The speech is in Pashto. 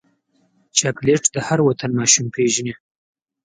چاکلېټ د هر وطن ماشوم پیژني.